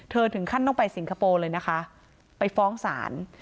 ถึงขั้นต้องไปสิงคโปร์เลยนะคะไปฟ้องศาล